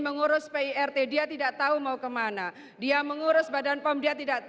mengurus pirt dia tidak tahu mau kemana dia mengurus badan pom dia tidak